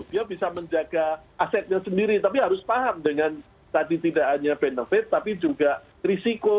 dia bisa menjaga asetnya sendiri tapi harus paham dengan tadi tidak hanya benefit tapi juga risiko